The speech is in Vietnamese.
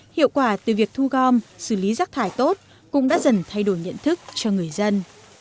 hiệu quả từ việc thu gom xử lý rác thải tốt cũng đã dần thay đổi nhận thức cho người dân